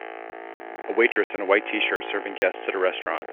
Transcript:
A waitress in a white tshirt serving guests at a restaurant.